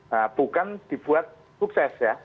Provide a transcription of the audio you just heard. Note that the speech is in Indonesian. nah bukan dibuat sukses ya